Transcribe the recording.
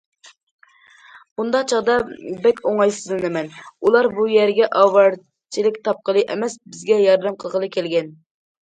بۇنداق چاغدا بەك ئوڭايسىزلىنىمەن، ئۇلار بۇ يەرگە ئاۋارىچىلىك تاپقىلى ئەمەس، بىزگە ياردەم قىلغىلى كەلگەن.